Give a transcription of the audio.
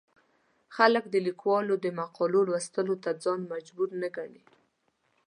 خلک د ليکوالو د مقالو لوستلو ته ځان مجبور نه ګڼي.